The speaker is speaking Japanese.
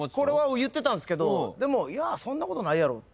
言ってたんすけどでも「いやそんなことないやろ」って言って。